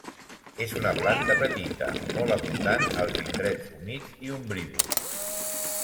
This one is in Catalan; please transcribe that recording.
És una planta petita, molt abundant als indrets humits i ombrívols.